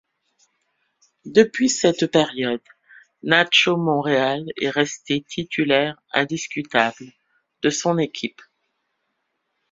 Depuis cette période, Nacho Monreal est resté un titulaire indiscutable de son équipe.